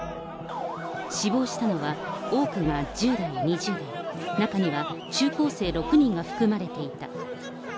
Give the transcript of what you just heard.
死亡したのは多くが１０代、２０代、中には中高生６人が含まれていた。